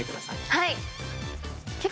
はい。